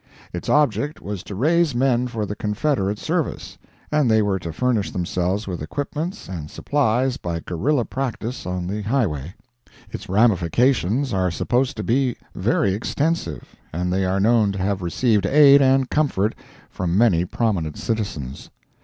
Its object was to raise men for the Confederate service, and they were to furnish themselves with equipments and supplies by guerrilla practice on the highway. Its ramifications are supposed to be very extensive, and they are known to have received aid and comfort from many prominent citizens.